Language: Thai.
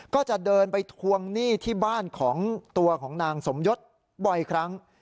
ก็จะเดินไปทวงหนี้ที่บ้านของตัวของนางสมยศบ่อยครั้ง